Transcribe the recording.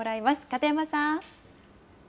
片山さん。